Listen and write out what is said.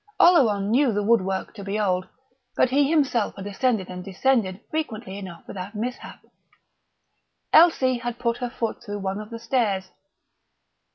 Oleron knew the woodwork to be old, but he himself had ascended and descended frequently enough without mishap.... Elsie had put her foot through one of the stairs.